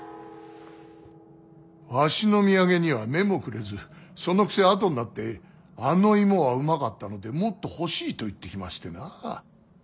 わしの土産には目もくれずそのくせあとになってあの芋はうまかったのでもっと欲しいと言ってきましてな。